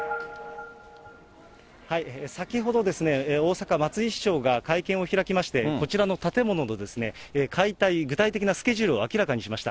先ほど、大阪、松井市長が会見を開きまして、こちらの建物の解体、具体的なスケジュールを明らかにしました。